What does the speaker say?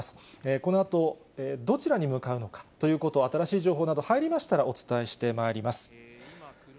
このあと、どちらに向かうのかということ、新しい情報など入りましたら、お伝えしてまいります。